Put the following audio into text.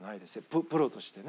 プロとしてね。